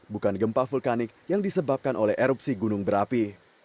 bukan gempa vulkanik yang disebabkan oleh erupsi gunung berapi